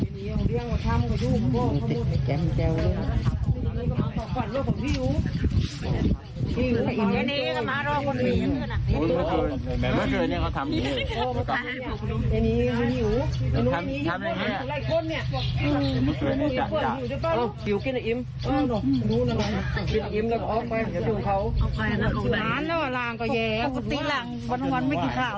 ปกติแหละวันไม่กินขาวแล้ว